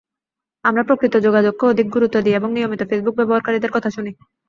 আমরা প্রকৃত যোগাযোগকে অধিক গুরুত্ব দিই এবং নিয়মিত ফেসবুক ব্যবহারকারীদের কথা শুনি।